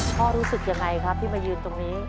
พ่อรู้สึกอย่างไรครับที่มายืนตรงนี้